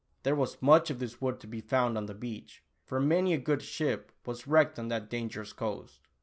There was much of this wood to be found on the beach, for many a good ship was wrecked on that dangerous coast.